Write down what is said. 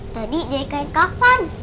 tadi jadi kain kafan